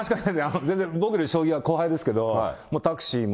僕より将棋は後輩ですけれども、タクシーも